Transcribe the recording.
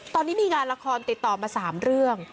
ตอนนี้มีงานละครติดต่อมา๓เรื่อง